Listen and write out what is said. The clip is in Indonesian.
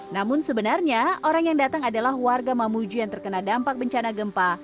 namun sebenarnya orang yang datang adalah warga mamuju yang terkena dampak bencana gempa